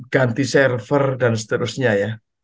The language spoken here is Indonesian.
ganti server dan seterusnya ya